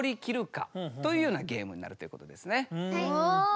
はい。